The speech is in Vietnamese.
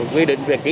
quy định về kỹ thuật